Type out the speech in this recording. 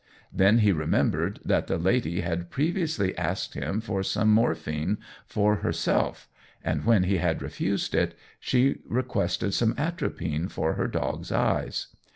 Then he remembered, that the lady had previously asked him for some morphine for herself, and when he had refused it, she requested some atropine for her dog's eyes.